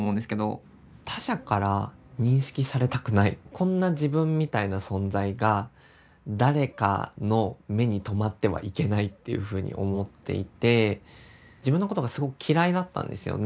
こんな自分みたいな存在が誰かの目に留まってはいけないっていうふうに思っていて自分のことがすごく嫌いだったんですよね。